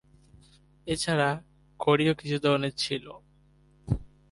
এছাড়া, কড়িও কিছু ধরনের ছিল।